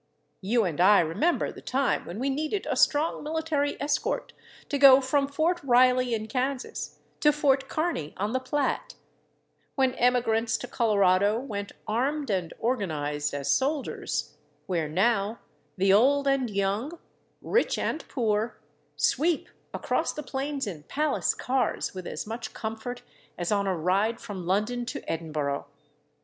You and I remember the time when we needed a strong military escort to go from Fort Riley in Kansas to Fort Kearney on the Platte; when emigrants to Colorado went armed and organized as soldiers, where now the old and young, rich and poor, sweep across the plains in palace cars with as much comfort as on a ride from London to Edinburgh.